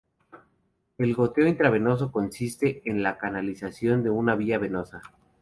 El goteo intravenoso consiste en la canalización de una vía venosa.